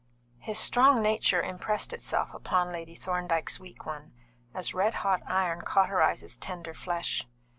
His strong nature impressed itself upon Lady Thorndyke's weak one, as red hot iron cauterises tender flesh.